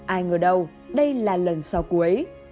ai ngờ đâu đây là lần sau cuối